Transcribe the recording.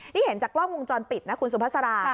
นี่เห็นจากกล้องวงจรปิดนะคุณสุภาษา